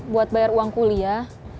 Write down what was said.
buat bayar uang kuliah